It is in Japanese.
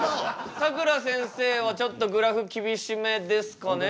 さくらせんせいはちょっとグラフ厳しめですかね？